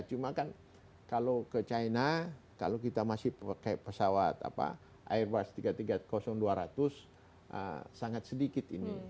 cuma kan kalau ke china kalau kita masih pakai pesawat airbus tiga ratus tiga puluh dua ratus sangat sedikit ini